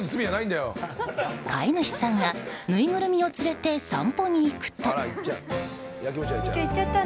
飼い主さんがぬいぐるみを連れて散歩に行くと。